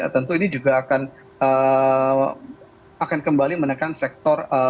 tentu ini juga akan akan kembali menekan sektor properti